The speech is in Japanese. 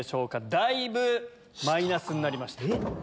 だいぶマイナスになりました。